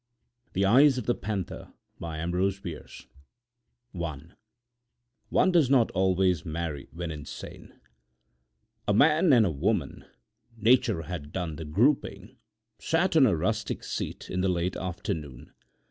THE EYES OF THE PANTHER I ONE DOES NOT ALWAYS MARRY WHEN INSANE A man and a woman—nature had done the grouping—sat on a rustic seat, in the late afternoon.